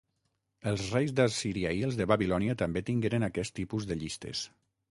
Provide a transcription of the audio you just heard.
Els reis d'Assíria i els de Babilònia també tingueren aquest tipus de llistes.